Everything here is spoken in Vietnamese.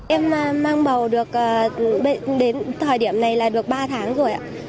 em mang bầu được đến thời điểm này là được ba tháng rồi ạ